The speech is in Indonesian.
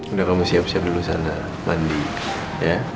udah kamu siap siap lulusan mandi ya